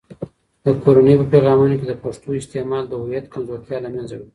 د کورنۍ په پیغامونو کې د پښتو استعمال د هویت کمزورتیا له منځه وړي.